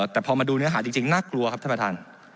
แต่พอมาดูเนื้อหาจริงน่ากลัวครับท่านประธาน